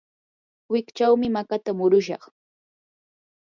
wikchawmi makata murushaq.